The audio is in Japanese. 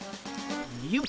よっ。